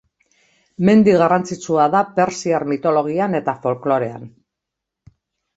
Mendi garrantzitsua da persiar mitologian eta folklorean.